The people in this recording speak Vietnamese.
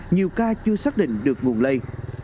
nhiều ca chưa xác định được nguồn lây